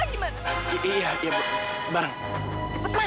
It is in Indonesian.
jangan nyobat untuk pelawan